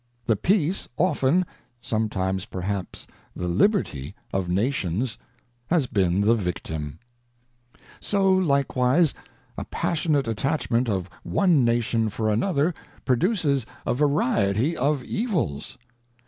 ŌĆö The peace often, some times perhaps the Liberty, of Nations has been the victim. ŌĆö So likewise a passionate attachment of one Nation for another produces a variety of 23 WASHINGTON'S FAREWELL ADDRESS evils.